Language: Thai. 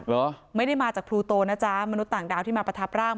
เหรอไม่ได้มาจากพลูโตนะจ๊ะมนุษย์ต่างดาวที่มาประทับร่าง